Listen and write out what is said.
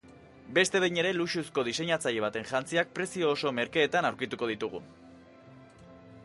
Beste behin ere luxuzko diseinatzaile baten jantziak prezio oso merkeetan aurkituko ditugu.